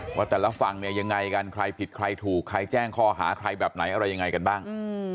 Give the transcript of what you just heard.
ว่าแต่ละฝั่งเนี่ยยังไงกันใครผิดใครถูกใครแจ้งคอหาใครแบบไหนอะไรยังไงกันบ้าง